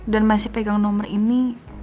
dan masih pegang nomor ini